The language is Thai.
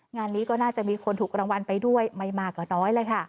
งานนี้ก็น่าจะมีคนถูกรางวัลไปด้วยไม่มากกว่าน้อยเลยค่ะ